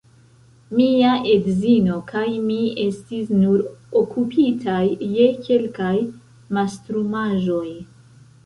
Mia edzino kaj mi estis nur okupitaj je kelkaj mastrumaĵoj.